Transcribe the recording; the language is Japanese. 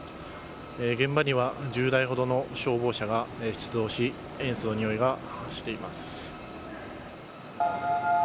現場には１０台ほどの消防車が出動し塩素のにおいがしています。